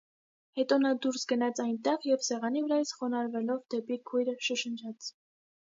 Հետո նա դուրս գնաց այնտեղ և, սեղանի վրայից խոնարհվելով դեպի քույրը, շշնջաց.